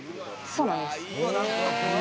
そうなんです。